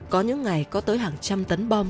có những ngày có tới hàng trăm tấn bom